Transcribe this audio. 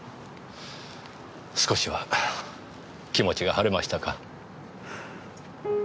少しは気持ちが晴れましたか？